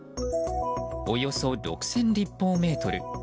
およそ６０００立方メートル。